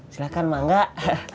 silahkan mak nggak